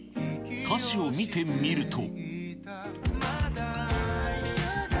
歌詞を見てみると。